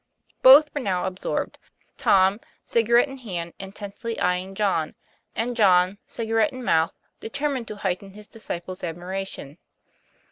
Both were now absorbed Tom, cigarette in hand, intently eyeing John; and John, cigarette in mouth, determined to heighten his disciple's admiration.